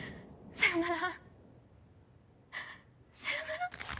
さよなら！